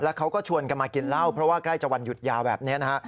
เขาก็ชวนกันมากินเหล้าเพราะว่าใกล้จะวันหยุดยาวแบบนี้นะฮะ